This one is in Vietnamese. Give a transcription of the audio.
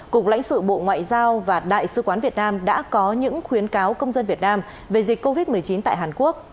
cục lãnh sự bộ ngoại giao và đại sứ quán việt nam đã có những khuyến cáo công dân việt nam về dịch covid một mươi chín tại hàn quốc